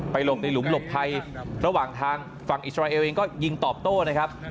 หลบในหลุมหลบภัยระหว่างทางฝั่งอิสราเอลเองก็ยิงตอบโต้นะครับ